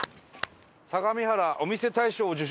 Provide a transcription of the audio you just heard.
相模原お店大賞を受賞してます。